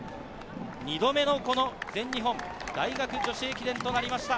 ２度目の全日本大学女子駅伝となりました。